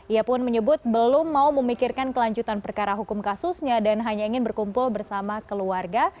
ia pun menyebut belum mau memikirkan kelanjutan perkara hukum kasusnya dan hanya ingin berkumpul bersama keluarga